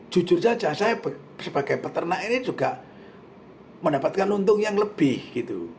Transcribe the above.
jujur saja saya sebagai peternak ini juga mendapatkan untung yang lebih gitu